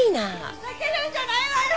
ふざけるんじゃないわよ！